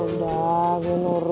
udah gue nurut